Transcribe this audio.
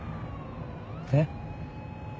えっ？